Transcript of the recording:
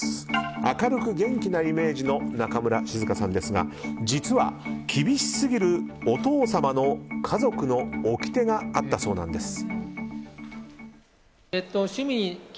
明るく元気なイメージの中村静香さんですが実は、厳しすぎるお父様の家族のおきてがあったそうなんです。